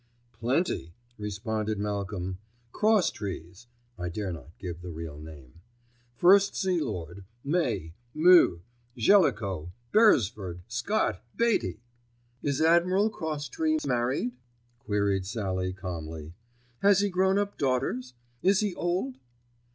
"Plenty," responded Malcolm. "Crosstrees (I dare not give the real name), First Sea Lord, May, Meux, Jellicoe, Beresford, Scott, Beatty." "Is Admiral Crosstrees married?" queried Sallie calmly. "Has he grown up daughters? Is he old?"